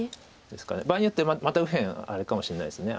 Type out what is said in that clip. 場合によってはまた右辺あれかもしれないです。